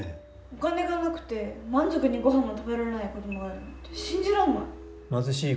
お金がなくて満足にご飯も食べられない子供がいるなんて信じられない。